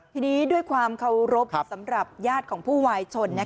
ทีนี้ด้วยความเคารพสำหรับญาติของผู้วายชน